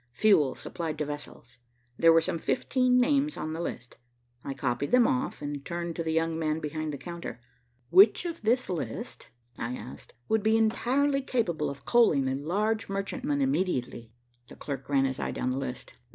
Fuel supplied to vessels. There were some fifteen names on the list. I copied them off, and turned to the young man behind the counter. "Which of this list," I asked, "would be entirely capable of coaling a large merchantman immediately?" The clerk ran his eye down the list.